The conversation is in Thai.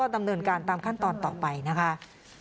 ดำเนินการตามขั้นตอนต่อไปนะคะ